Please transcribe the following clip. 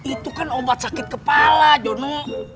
itu kan obat sakit kepala jono